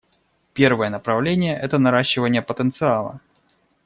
Первое направление — это наращивание потенциала.